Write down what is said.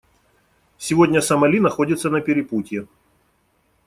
Сегодня Сомали находится на перепутье.